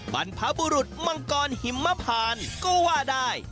บรรพบุรุษมังกรหิมพานก็ว่าได้